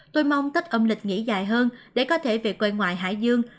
tôi mong tất âm lịch nghỉ dài hơn để có thể về quê ngoài hải dương